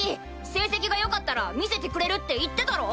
成績が良かったら見せてくれるって言ってたろ？